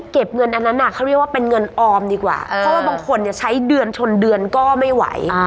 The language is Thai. เก็บเงินอันนั้นเขาเรียกว่าเป็นเงินออมดีกว่าเพราะว่าบางคนเนี่ยใช้เดือนชนเดือนก็ไม่ไหว